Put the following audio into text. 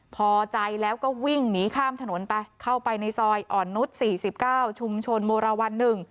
พอใจแล้วก็วิ่งหนีข้ามถนนไปเข้าไปในซอยอ่อนนุษย์๔๙ชุมชนโมราวัล๑